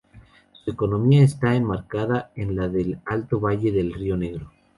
Su economía está enmarcada en la del Alto Valle del Río Negro.